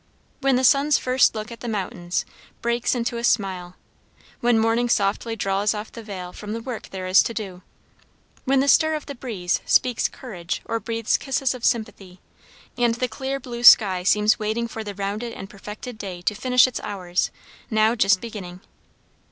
When the sun's first look at the mountains breaks into a smile; when morning softly draws off the veil from the work there is to do; when the stir of the breeze speaks courage or breathes kisses of sympathy; and the clear blue sky seems waiting for the rounded and perfected day to finish its hours, now just beginning.